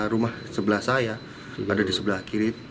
rumah sebelah saya ada di sebelah kiri